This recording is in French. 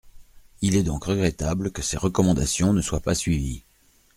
Il est donc regrettable que ses recommandations ne soient pas suivies.